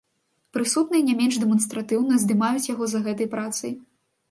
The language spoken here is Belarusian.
Прысутныя не менш дэманстратыўна здымаюць яго за гэтай працай.